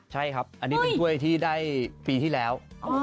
ใช่ครับอันนี้เป็นถ้วยที่ได้ปีที่แล้ว